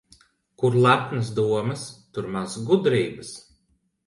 Kur lepnas domas, tur maz gudrības.